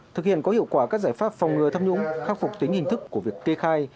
thực hiện có hiệu quả các giải pháp phòng ngừa tham nhũng khắc phục tính hình thức của việc kê khai